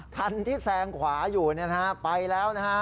คันที่แสงขวาอยู่เนี่ยนะฮะไปแล้วนะฮะ